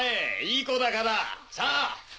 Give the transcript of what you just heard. いい子だからさぁ！